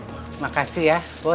terima kasih ya boy